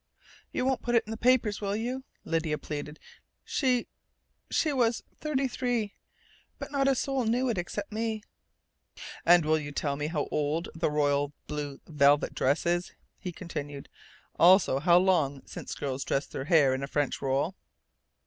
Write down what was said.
"You won't put it in the papers, will you?" Lydia pleaded. "She she was thirty three. But not a soul knew it except me " "And will you tell me how old the royal blue velvet dress is?" he continued. "Also, how long since girls dressed their hair in a French roll?"